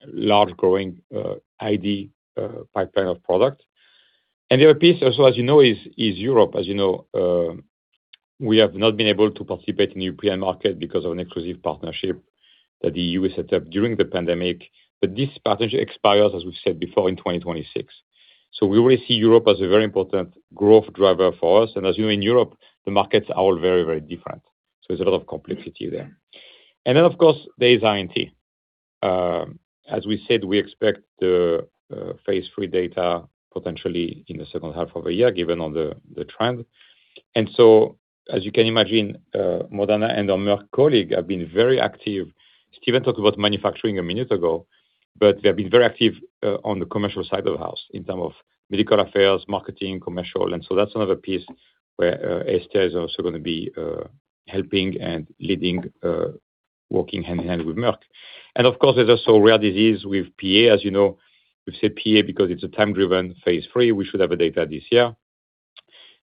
large growing ID pipeline of product. The other piece also as you know is Europe. As you know, we have not been able to participate in the European market because of an exclusive partnership that the EU set up during the pandemic. This partnership expires, as we've said before, in 2026. We already see Europe as a very important growth driver for us. As you know in Europe, the markets are all very different. There's a lot of complexity there. Of course, there is INT. As we said, we expect the phase III data potentially in the second half of the year, given on the trend. As you can imagine, Moderna and our Merck colleague have been very active. Stephen talked about manufacturing a minute ago, but they have been very active on the commercial side of the house in term of medical affairs, marketing, commercial. That's another piece where Ester is also going to be helping and leading, working hand in hand with Merck. Of course, there's also rare disease with PA, as you know. We've said PA because it's a time-driven phase III. We should have a data this year.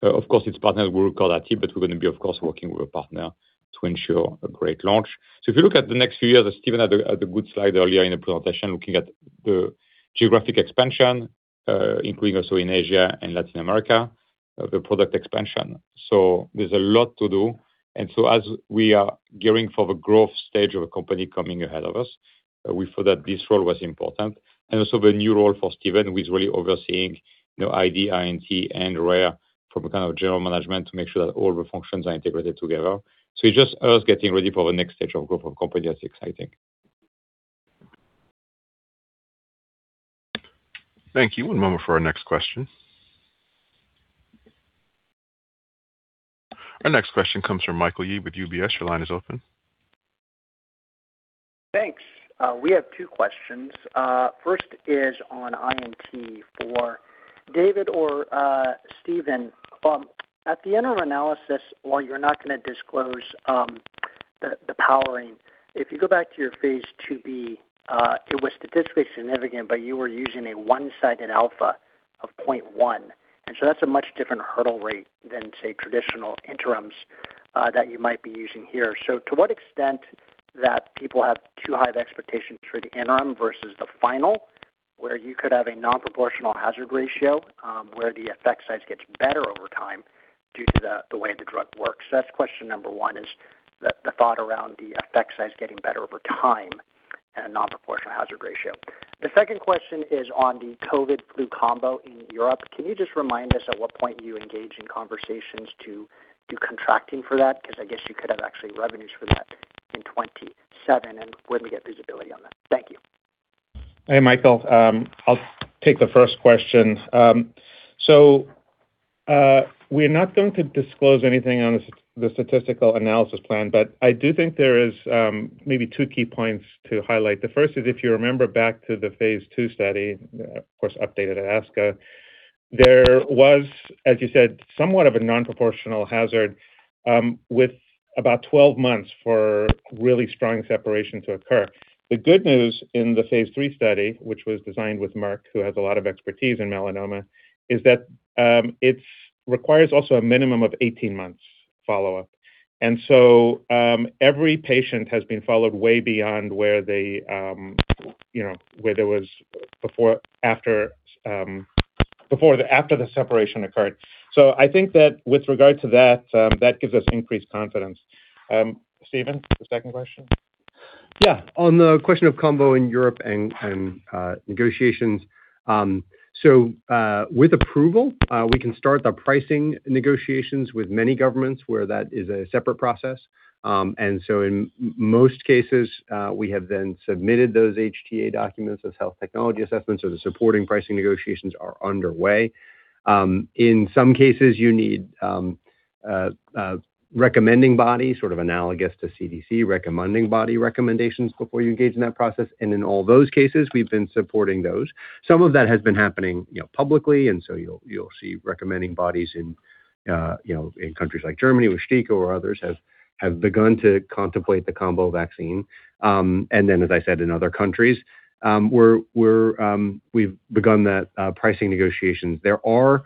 Of course, its partners will recall our team, but we're going to be, of course, working with a partner to ensure a great launch. If you look at the next few years, as Stephen had the good slide earlier in the presentation, looking at the geographic expansion, including also in Asia and Latin America, the product expansion. There's a lot to do. As we are gearing for the growth stage of a company coming ahead of us, we feel that this role was important. Also the new role for Stephen, who is really overseeing ID, INT, and rare from a kind of general management to make sure that all the functions are integrated together. It's just us getting ready for the next stage of growth for company. That's exciting. Thank you. One moment for our next question. Our next question comes from Michael Yee with UBS. Your line is open. Thanks. We have two questions. First is on INT for David or Stephen. At the interim analysis, while you're not going to disclose the powering, if you go back to your phase II-B, it was statistically significant, but you were using a one-sided alpha of 0.1. That's a much different hurdle rate than, say, traditional interims that you might be using here. To what extent that people have too high of expectations for the interim versus the final, where you could have a non-proportional hazard ratio, where the effect size gets better over time due to the way the drug works? That's question number 1, is the thought around the effect size getting better over time and a non-proportional hazard ratio. The second question is on the COVID flu combo in Europe. Can you just remind us at what point you engage in conversations to do contracting for that? Because I guess you could have actually revenues for that in 2027, and when we get visibility on that. Thank you. Hey, Michael. We're not going to disclose anything on the statistical analysis plan, but I do think there is maybe two key points to highlight. The first is if you remember back to the phase II study, of course updated ASCO There was, as you said, somewhat of a non-proportional hazard with about 12 months for really strong separation to occur. The good news in the phase III study, which was designed with Merck, who has a lot of expertise in melanoma, is that it requires also a minimum of 18 months follow-up. Every patient has been followed way beyond where there was before or after the separation occurred. I think that with regard to that gives us increased confidence. Stephen, the second question? On the question of combo in Europe and negotiations, with approval, we can start the pricing negotiations with many governments where that is a separate process. In most cases, we have then submitted those HTA documents as health technology assessments or the supporting pricing negotiations are underway. In some cases, you need a recommending body, sort of analogous to CDC recommending body recommendations before you engage in that process. In all those cases, we've been supporting those. Some of that has been happening publicly, you'll see recommending bodies in countries like Germany, where STIKO or others have begun to contemplate the combo vaccine. As I said, in other countries, we've begun the pricing negotiations. There are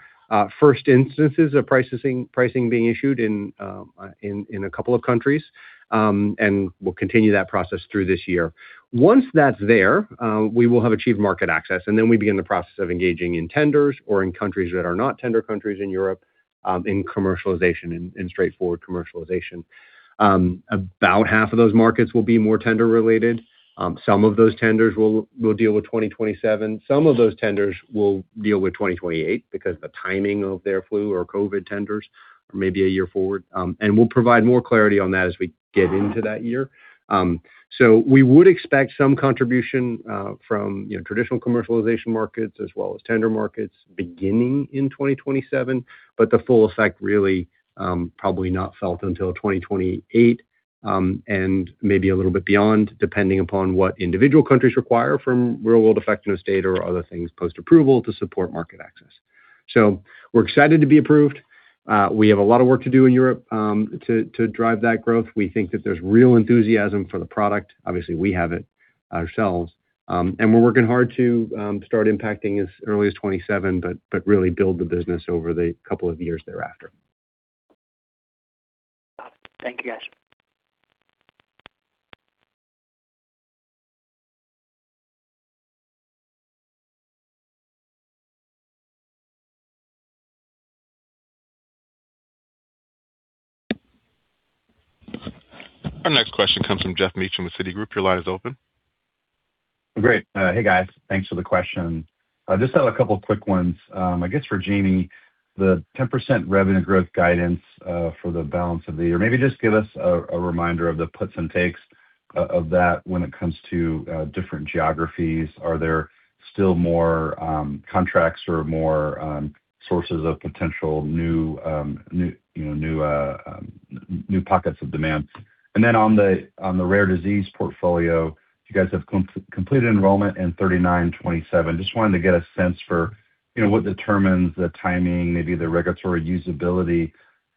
first instances of pricing being issued in a couple of countries, and we'll continue that process through this year. Once that's there, we will have achieved market access, we begin the process of engaging in tenders or in countries that are not tender countries in Europe, in commercialization, in straightforward commercialization. About half of those markets will be more tender-related. Some of those tenders will deal with 2027. Some of those tenders will deal with 2028 because the timing of their flu or COVID tenders are maybe a year forward. We'll provide more clarity on that as we get into that year. We would expect some contribution from traditional commercialization markets as well as tender markets beginning in 2027, but the full effect really probably not felt until 2028, and maybe a little bit beyond, depending upon what individual countries require from real-world effectiveness data or other things post-approval to support market access. We're excited to be approved. We have a lot of work to do in Europe to drive that growth. We think that there's real enthusiasm for the product. Obviously, we have it ourselves. We're working hard to start impacting as early as 2027 but really build the business over the couple of years thereafter. Thank you, guys. Our next question comes from Geoff Meacham with Citigroup. Your line is open. Great. Hey, guys. Thanks for the question. I just have a couple of quick ones. I guess for Jamey, the 10% revenue growth guidance for the balance of the year, maybe just give us a reminder of the puts and takes of that when it comes to different geographies. Are there still more contracts or more sources of potential new pockets of demand? On the rare disease portfolio, you guys have completed enrollment in 3927. Just wanted to get a sense for what determines the timing, maybe the regulatory usability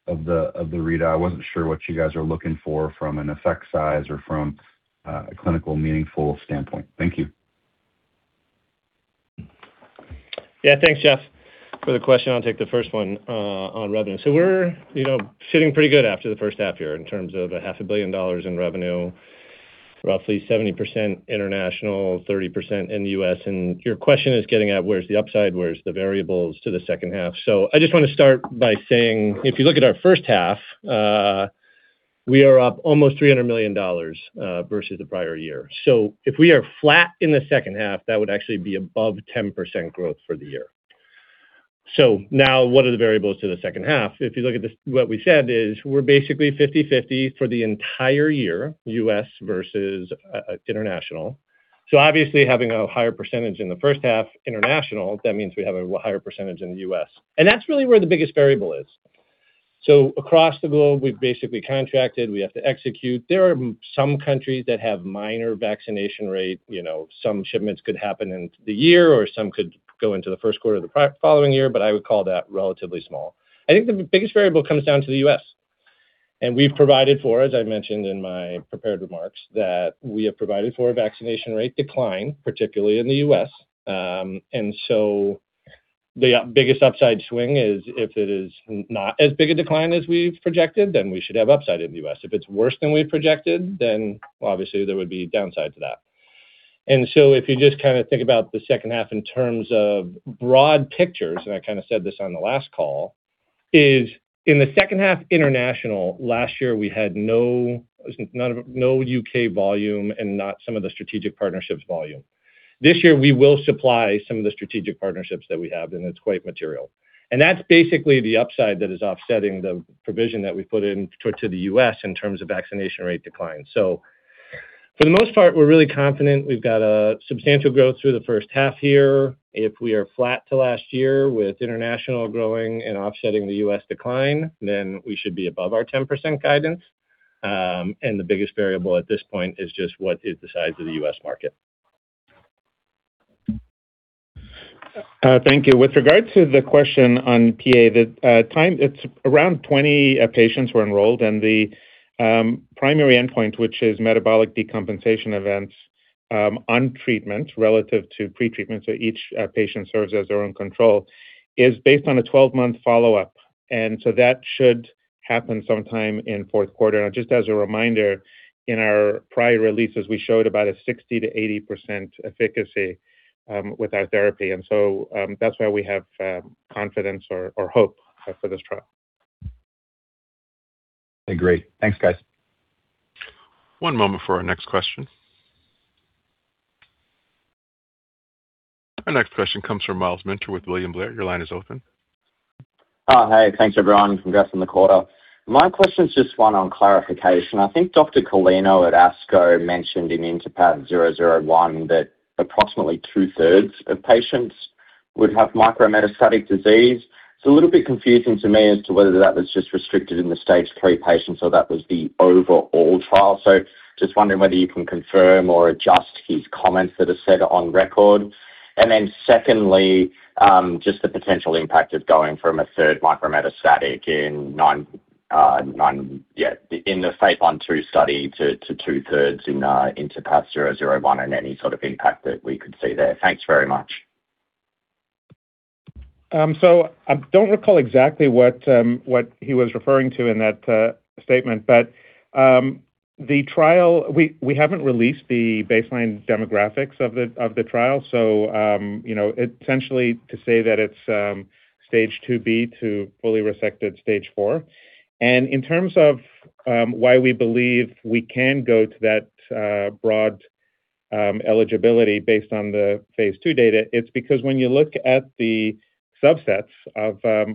of the readout. I wasn't sure what you guys are looking for from an effect size or from a clinical meaningful standpoint. Thank you. Yeah. Thanks, Geoff, for the question. I'll take the first one on revenue. We're sitting pretty good after the first half year in terms of a half a billion dollars in revenue, roughly 70% international, 30% in the U.S. Your question is getting at where's the upside, where's the variables to the second half. I just want to start by saying, if you look at our first half, we are up almost $300 million versus the prior year. If we are flat in the second half, that would actually be above 10% growth for the year. Now what are the variables to the second half? If you look at what we said is we're basically 50/50 for the entire year, U.S. versus international. Obviously, having a higher percentage in the first half international, that means we have a higher percentage in the U.S. That's really where the biggest variable is. Across the globe, we've basically contracted, we have to execute. There are some countries that have minor vaccination rate. Some shipments could happen in the year, or some could go into the first quarter of the following year, but I would call that relatively small. I think the biggest variable comes down to the U.S., and we've provided for, as I mentioned in my prepared remarks, that we have provided for a vaccination rate decline, particularly in the U.S. The biggest upside swing is if it is not as big a decline as we've projected, then we should have upside in the U.S. If it's worse than we've projected, obviously there would be downsides to that. If you just think about the second half in terms of broad pictures, and I kind of said this on the last call, is in the second half international, last year we had no U.K. volume and not some of the strategic partnerships volume. This year, we will supply some of the strategic partnerships that we have, and it's quite material. That's basically the upside that is offsetting the provision that we put into the U.S. in terms of vaccination rate decline. For the most part, we're really confident we've got a substantial growth through the first half here. If we are flat to last year with international growing and offsetting the U.S. decline, then we should be above our 10% guidance. The biggest variable at this point is just what is the size of the U.S. market. Thank you. With regard to the question on PA, around 20 patients were enrolled, the primary endpoint, which is metabolic decompensation events on treatment relative to pretreatment, so each patient serves as their own control, is based on a 12-month follow-up. That should happen sometime in the fourth quarter. Just as a reminder, in our prior releases, we showed about a 60%-80% efficacy with our therapy. That's why we have confidence or hope for this trial. Great. Thanks, guys. One moment for our next question. Our next question comes from Myles Minter with William Blair. Your line is open. Oh, hey. Thanks, everyone. Congrats on the quarter. My question is just one on clarification. I think Dr. Coleeno at ASCO mentioned in INTerpath-001 that approximately two-thirds of patients would have micrometastatic disease. It's a little bit confusing to me as to whether that was just restricted in the Stage III patients or that was the overall trial. Just wondering whether you can confirm or adjust his comments that are said on record. Secondly, just the potential impact of going from a third micrometastatic in the phase I/II study to two-thirds in INTerpath-001 and any sort of impact that we could see there. Thanks very much. I don't recall exactly what he was referring to in that statement. We haven't released the baseline demographics of the trial. essentially to say that it's Stage IIB to fully resected Stage IV. In terms of why we believe we can go to that broad eligibility based on the phase II data, it's because when you look at the subsets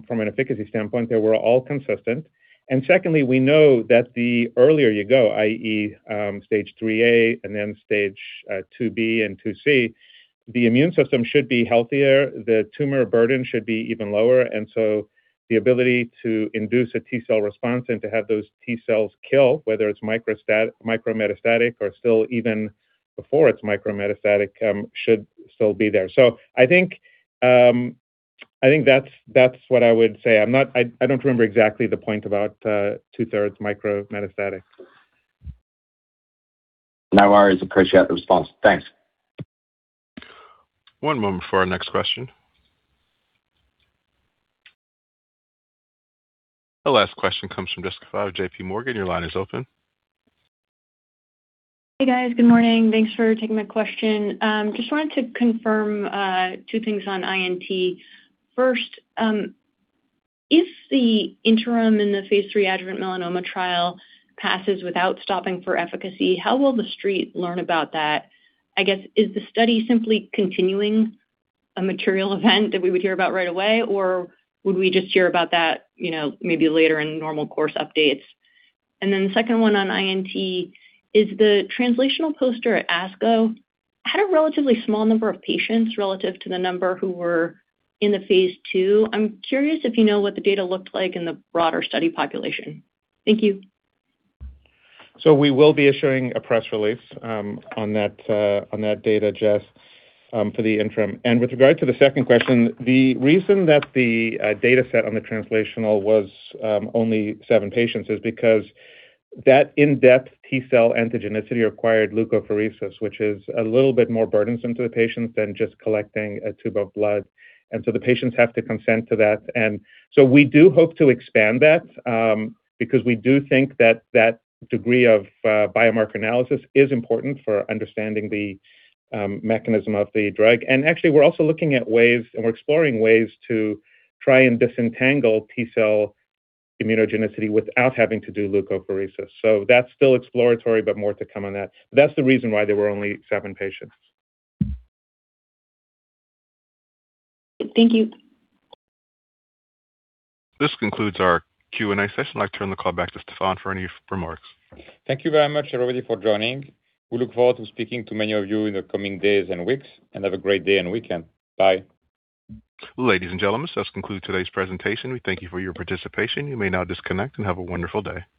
from an efficacy standpoint, they were all consistent. Secondly, we know that the earlier you go, i.e., Stage IIIA and then Stage IIB and IIC, the immune system should be healthier, the tumor burden should be even lower, and the ability to induce a T-cell response and to have those T-cells kill, whether it's micrometastatic or still even before it's micrometastatic should still be there. I think that's what I would say. I don't remember exactly the point about two-thirds micrometastatic. No worries. Appreciate the response. Thanks. One moment for our next question. The last question comes from Jessica Fye of J.P. Morgan. Your line is open. Hey, guys. Good morning. Thanks for taking my question. Just wanted to confirm two things on INT. First, if the interim in the phase III adjuvant melanoma trial passes without stopping for efficacy, how will the Street learn about that? I guess, is the study simply continuing a material event that we would hear about right away, or would we just hear about that maybe later in normal course updates? The second one on INT is the translational poster at ASCO had a relatively small number of patients relative to the number who were in the phase II. I'm curious if you know what the data looked like in the broader study population. Thank you. We will be issuing a press release on that data, Jess, for the interim. With regard to the second question, the reason that the dataset on the translational was only seven patients is because that in-depth T-cell antigenicity required leukapheresis, which is a little bit more burdensome to the patients than just collecting a tube of blood. The patients have to consent to that. We do hope to expand that, because we do think that that degree of biomarker analysis is important for understanding the mechanism of the drug. Actually, we're also looking at ways, and we're exploring ways to try and disentangle T-cell immunogenicity without having to do leukapheresis. That's still exploratory, but more to come on that. That's the reason why there were only seven patients. Thank you. This concludes our Q&A session. I'd like to turn the call back to Stéphane for any remarks. Thank you very much, everybody, for joining. We look forward to speaking to many of you in the coming days and weeks. Have a great day and weekend. Bye. Ladies and gentlemen, this does conclude today's presentation. We thank you for your participation. You may now disconnect and have a wonderful day.